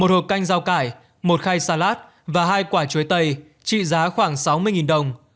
một hộp canh rau cải một khay salat và hai quả chuối tây trị giá khoảng sáu mươi đồng